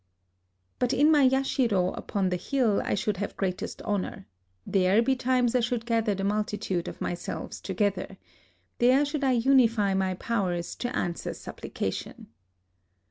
But in my yashiro upon the hill I should have greatest honor : there betimes I should gather the multitude of my selves together ; there should I unify my powers to answer supplication.